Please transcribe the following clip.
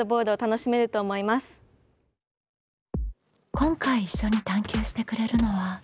今回一緒に探究してくれるのは。